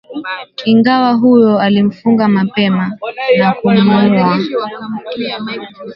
Ingawa huyo alimfunga mapema na kumuua